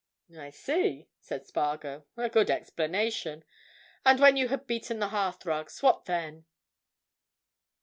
"I see," said Spargo. "A good explanation. And when you had beaten the hearthrugs—what then?"